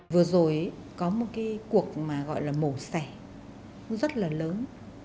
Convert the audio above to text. vừa rồi có một cái cuộc mà gọi là mổ xẻ rất là lớn